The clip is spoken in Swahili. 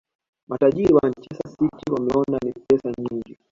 matajiri wa manchester city wameona ni pesa nyingi